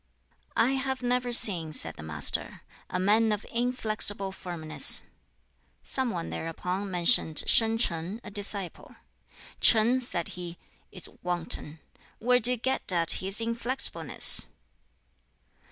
"I have never seen," said the Master, "a man of inflexible firmness." Some one thereupon mentioned Shin Ch'ang, a disciple. "Ch'ang," said he, "is wanton; where do you get at his inflexibleness?"